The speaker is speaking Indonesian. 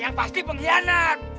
yang pasti pengkhianat